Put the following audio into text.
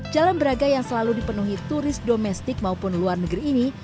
jalan braga yang selalu dipenuhi turis domestik maupun luar negeri ini